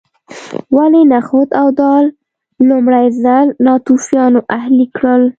ولې نخود او دال لومړي ځل ناتوفیانو اهلي کړل